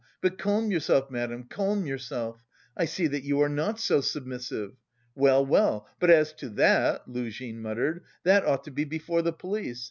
but calm yourself, madam, calm yourself. I see that you are not so submissive!... Well, well, but as to that..." Luzhin muttered, "that ought to be before the police...